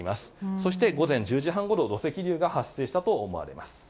そして午前１０時半ごろ、土石流が発生したと思われます。